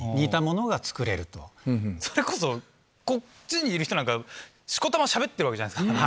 それこそ、こっちにいる人なんか、しこたましゃべってるわけじゃないですか。